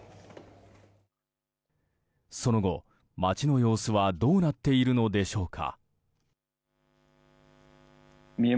その後、街の様子はどうなっているのでしょうか。